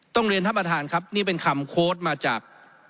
เรียนท่านประธานครับนี่เป็นคำโค้ดมาจาก